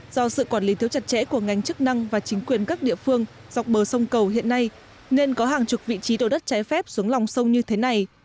do sự quản lý thiếu chặt chẽ của ngành chức năng và chính quyền các địa phương dọc bờ sông cầu hiện nay nên có hàng chục vị trí đổ đất trái phép xuống lòng sông như thế này